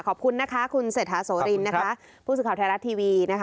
ขอบคุณนะคะคุณเศรษฐโสลินผู้สึกขอบแท้รัฐทีวี